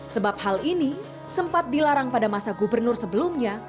sebab hal ini sempat dilarang pada masa gubernur sebelumnya